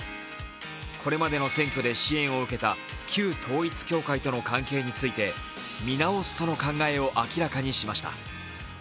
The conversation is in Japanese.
これまでの選挙で支援を受けた旧統一教会との関係について見直すとの考えを明らかにしました。